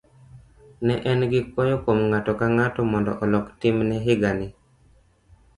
Ne en gi kwayo kuom ng'ato ka ng'ato mondo olok timne higani.